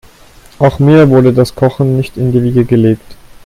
Auch mir wurde das Kochen nicht in die Wiege gelegt.